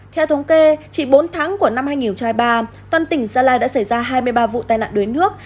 theo thống kê chỉ bốn tháng của năm hai nghìn hai mươi ba toàn tỉnh gia lai đã xảy ra hai mươi ba vụ tai nạn đuối nước